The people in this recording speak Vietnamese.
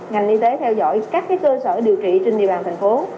ngành y tế theo dõi các cơ sở điều trị trên địa bàn thành phố